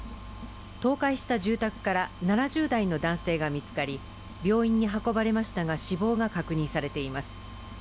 倒壊した住宅から７０代の男性が見つかり、病院に運ばれましたが死亡が確認されています